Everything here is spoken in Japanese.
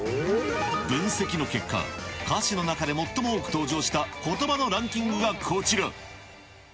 分析の結果、歌詞の中で最も多く登場したことばのランキングがこちら。